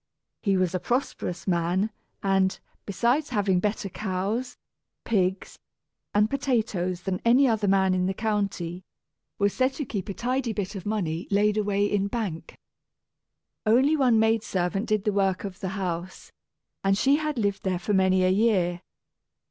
He was a prosperous man, and, besides having better cows, pigs, and potatoes than any other man in the county, was said to keep a tidy bit of money laid away in bank. Only one maid servant did the work of the house, and she had lived there for many a year.